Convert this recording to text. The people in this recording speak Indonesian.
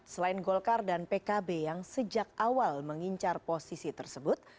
selain golkar dan pkb yang sejak awal mengincar posisi tersebut